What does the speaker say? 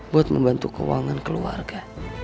buat membantu keuangan keluarga